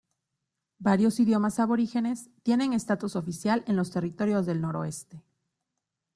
Varios idiomas aborígenes tienen estatus oficial en los Territorios del Noroeste.